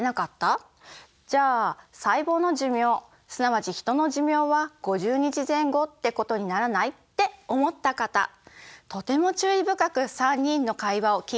じゃあ細胞の寿命すなわちヒトの寿命は５０日前後ってことにならない？って思った方とても注意深く３人の会話を聞いていますね。